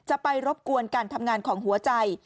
ไปรบกวนการทำงานของหัวใจ